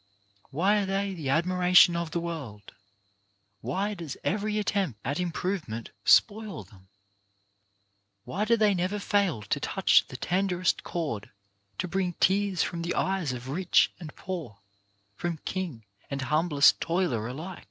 Why are they the admiration of the world? Why does every attempt at improvement spoil them? Why do they never fail to touch the tenderest chord — to bring tears from the eyes of rich and poor — from king and humblest toiler alike